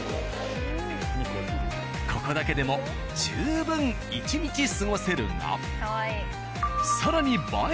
ここだけでも十分１日過ごせるが。